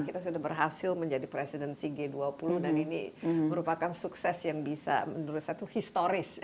kita sudah berhasil menjadi presidensi g dua puluh dan ini merupakan sukses yang bisa menurut saya itu historis